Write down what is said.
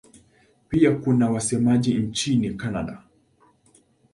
Pia kuna wasemaji nchini Kanada.